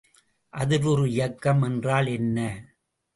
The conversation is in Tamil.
அதிர்வுறு இயக்கம் என்றால் என்ன?